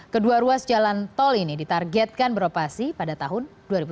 kedua ruas jalan tol ini ditargetkan beroperasi pada tahun dua ribu tujuh belas